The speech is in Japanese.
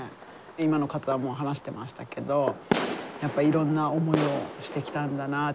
今の方も話してましたけどやっぱいろんな思いをしてきたんだなあって。